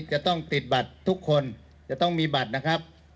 จะต้องติดบัตรทุกคนจะต้องมีบัตรนะครับ